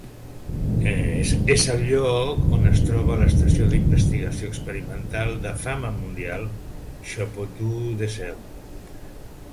És el lloc on es troba l'estació d'investigació experimental de fama mundial Shapotou Desert.